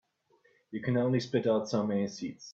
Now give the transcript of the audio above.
You can only spit out so many seeds.